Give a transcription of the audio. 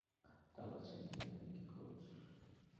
তা, বাছা, তুমি এখানে কী করছ?